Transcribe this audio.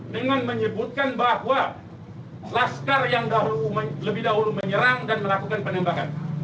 dengan menyebutkan bahwa laskar yang lebih dahulu menyerang dan melakukan penembakan